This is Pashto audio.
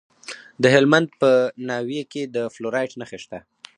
د هلمند په ناوې کې د فلورایټ نښې شته.